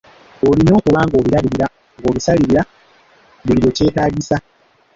Olina okuba ng‘obirabirira, ng‘obisalira buli lwekyetaagisa.